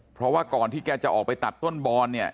เพราะว่าก่อนที่แกจะออกไปตัดทั้วนบอน